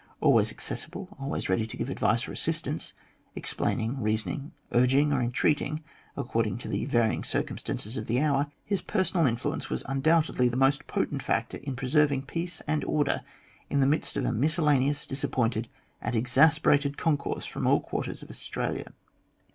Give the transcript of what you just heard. Always accessible, always ready to give advice or assistance, explaining, reasoning, urging, or entreat ing, according to the varying circumstances of the hour, his personal influence was undoubtedly the most potent factor in preserving peace and order in the midst of a miscellaneous,, disappointed, and exasperated concourse from all quarters of Australia.